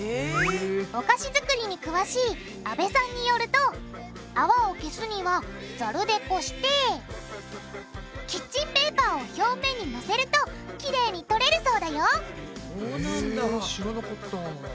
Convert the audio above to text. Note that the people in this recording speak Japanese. お菓子作りに詳しい阿部さんによると泡を消すにはザルでこしてキッチンペーパーを表面にのせるとキレイに取れるそうだよそうなんだ。